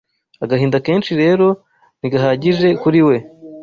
Agahinda kenshi rero ntigahagije kuri we